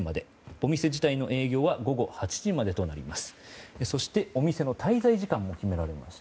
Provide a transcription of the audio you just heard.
お店自体の営業は午後８時までとなります。